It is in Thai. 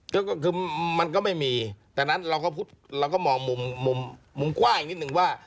ก็คือมันก็ไม่มีแต่นั้นเราก็มองมุมมุมกว้างอีกนิดนึงว่า